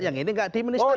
yang ini tidak dimenistakan